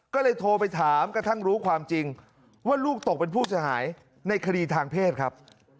ก็เลยโทรไปถามกระทั่งรู้ความจริงว่าลูกตกเป็นผู้เสียหายในคดีทางเพศครับ